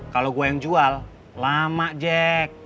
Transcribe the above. kalau gue yang jual lama jack